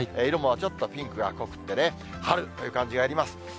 色もちょっとピンクが濃くてね、春という感じがあります。